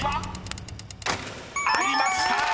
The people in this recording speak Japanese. ［ありました！